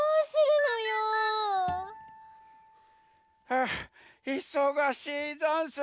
はあいそがしいざんす。